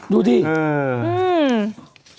ดูดิอืม